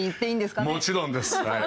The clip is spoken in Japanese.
もちろんですはい。